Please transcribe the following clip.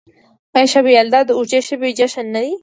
آیا شب یلدا د اوږدې شپې جشن نه دی؟